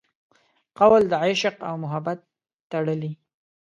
قول د عشق او محبت تړلي